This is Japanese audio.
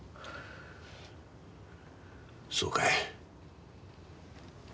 そうかい。